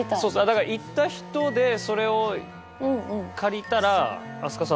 だから行った人でそれを借りたら。